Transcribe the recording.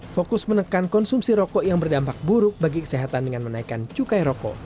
fokus menekan konsumsi rokok yang berdampak buruk bagi kesehatan dengan menaikkan cukai rokok